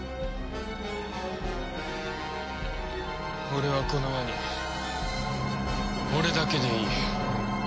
俺はこの世に俺だけでいい。